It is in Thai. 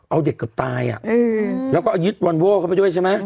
เอาเด็กเกือบตายแล้วก็ยึดวอนโว้เข้าไปด้วยใช่ไหม